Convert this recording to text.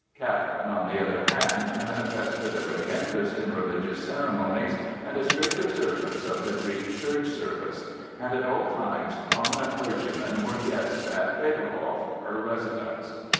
Catherine, on the other hand, manifested a great interest in religious ceremonies and a strict observance of the Greek Church service; and at all times prominent clergymen were guests at Peterhof, her residence.